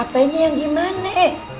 apainya yang gimana